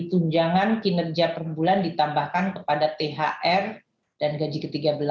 tunjangan kinerja per bulan ditambahkan kepada thr dan gaji ke tiga belas